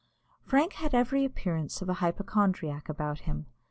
Frank had every appearance of a hypochondriac about him.